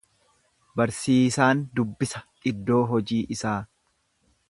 Barsiisaan dubbisa iddoo hojii isaa.